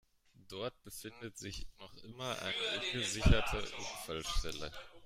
Dort befindet sich noch immer eine ungesicherte Unfallstelle.